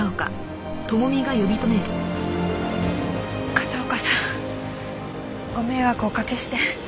片岡さんご迷惑おかけして。